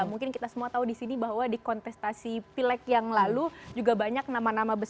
mungkin kita semua tahu di sini bahwa di kontestasi pilek yang lalu juga banyak nama nama besar